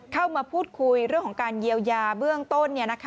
เข้ามาพูดคุยเรื่องของการเยียวยาเบื้องต้น